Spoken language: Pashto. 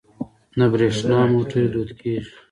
د بریښنا موټرې دود کیږي.